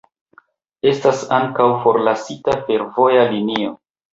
Estas ankaŭ forlasita fervoja linio.